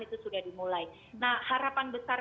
itu sudah dimulai nah harapan besar